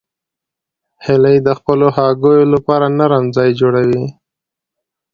هیلۍ د خپلو هګیو لپاره نرم ځای جوړوي